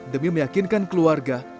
demi meyakinkan keluarga